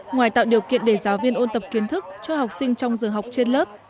ngoài tạo điều kiện để giáo viên ôn tập kiến thức cho học sinh trong giờ học trên lớp